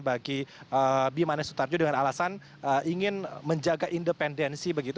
mereka saksi meringankan bagi bimanes sutarjo dengan alasan ingin menjaga independensi